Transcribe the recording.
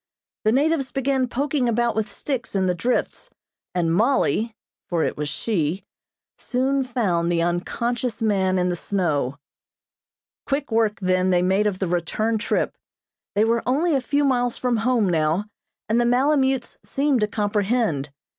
The natives began poking about with sticks in the drifts, and Mollie (for it was she) soon found the unconscious man in the snow. Quick work then they made of the return trip. They were only a few miles from home now, and the malemutes seemed to comprehend.